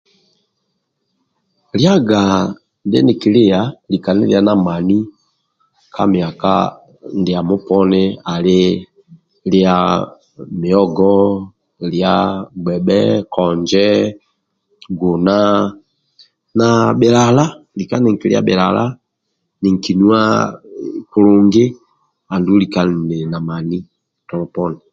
Liaga ndie nikilia likami na mani ka miaka ndiamo poni ali muogo gbhe konje guna na bhilala lika ninkilia bhilala na nuwa lika ninkinuwa kulungi andulu lika na mani tolo poni